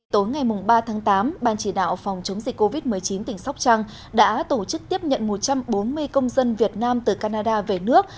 tối ngày ba tháng tám ban chỉ đạo phòng chống dịch covid một mươi chín tỉnh sóc trăng đã tổ chức tiếp nhận một trăm bốn mươi công dân việt nam từ canada về nước